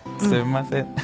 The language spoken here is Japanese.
すみません。